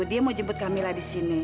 dia mau jemput kamila disini